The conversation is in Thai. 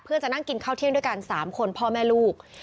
เพื่อจะนั่งกินข้าวเที่ยงด้วยกัน๓คนพ่อแม่ลูก